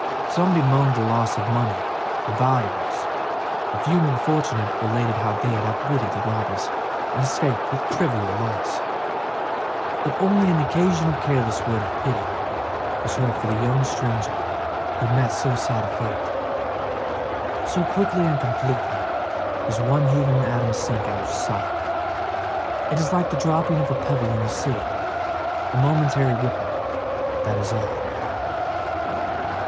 Some bemoaned the loss of money or valuables; a few, more fortunate, related how they had outwitted the robbers and escaped with trivial loss, but only an occasional careless word of pity was heard for the young stranger who had met so sad a fate. So quickly and completely does one human atom sink out of sight! It is like the dropping of a pebble in the sea: a momentary ripple, that is all!